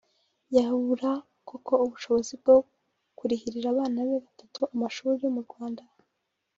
yabura koko ubushobozi bwo kurihira abana be batatu amashuri mu Rwanda